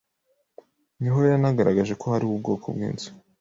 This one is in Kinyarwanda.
niho yanagaragaje ko hariho ubwoko bw’inzu